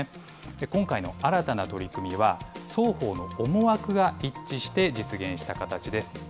今回の新たな取り組みは、双方の思惑が一致して実現した形です。